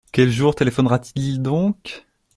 Quel jour téléphonera-t-il donc ?